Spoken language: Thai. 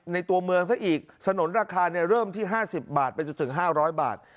ในตัวเมืองซะอีกสนุนราคาเริ่มที่๕๐บาทไปจนถึง๕๐๐บาท